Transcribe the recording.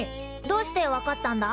どうして分かったんだ？